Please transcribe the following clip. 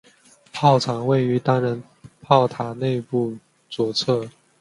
炮长位于单人炮塔内部左侧。